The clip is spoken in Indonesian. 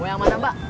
oh yang mana mbak